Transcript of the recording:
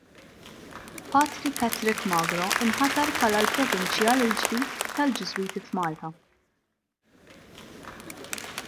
Patri Patrick Magro nħatar bħala l-Provinċjal il-ġdid tal-Ġiżwiti f'Malta.